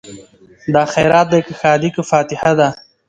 دا خیرات دی که ښادي که فاتحه ده